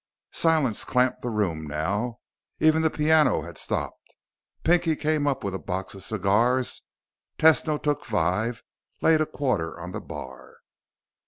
Silence clamped the room now. Even the piano had stopped. Pinky came up with a box of cigars. Tesno took five, laid a quarter on the bar.